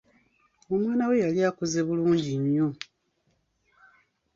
Omwana we yali akuze bulungi nnyo.